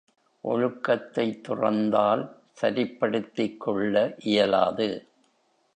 ஒழுக்கத்தைத் துறந்தால் சரிப்படுத்திக் கொள்ள இயலாது.